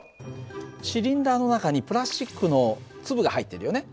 シリンダーの中にプラスチックの粒が入ってるよね。